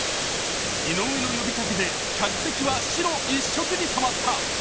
井上の呼びかけで客席は白一色に染まった。